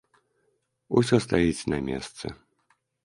Усё стаіць на месцы.